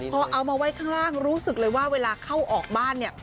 พอเอามาไว้ข้างล่างรู้สึกเลยว่าเวลาเข้าออกบ้านเนี่ย